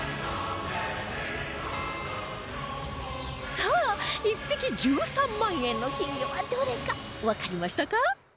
さあ１匹１３万円の金魚はどれかわかりましたか？